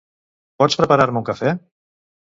Pots preparar-me un cafè?